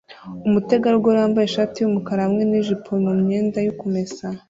Umutegarugori wambaye ishati yumukara hamwe nijipo mumyenda yo kumesa